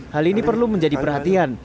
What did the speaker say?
hal ini perlu menjadi perhatian